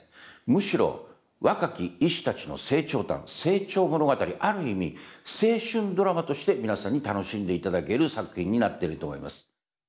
むしろ若き医師たちの成長譚成長物語ある意味青春ドラマとして皆さんに楽しんでいただける作品になってると思います。